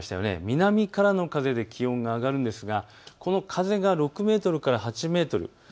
南からの風で気温が上がるんですがこの風が６メートルから８メートル。